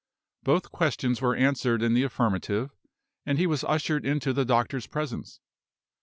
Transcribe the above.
Both questions were answered in the affirmative, and he was ushered into the doctor's presence.